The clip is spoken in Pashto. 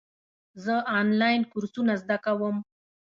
زه آنلاین کورسونه زده کوم.